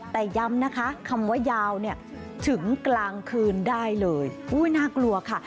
แต่ย้ำนะคะคำว่ายาวเนี่ยถึงกลางคืนได้เลยอุ้ยน่ากลัวค่ะ